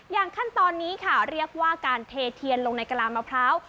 ขั้นตอนนี้ค่ะเรียกว่าการเทเทียนลงในกระลามมะพร้าว